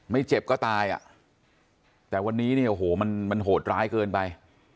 ไม่เจ็บก็ตายอ่ะแต่วันนี้เนี่ยโอ้โหมันโหดร้ายเกินไป